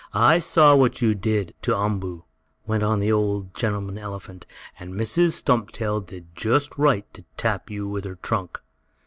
"I saw what you did to Umboo," went on the old gentleman elephant, "and Mrs. Stumptail did just right to tap you with her trunk.